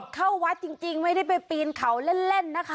เข้าวัดจริงไม่ได้ไปปีนเขาเล่นนะคะ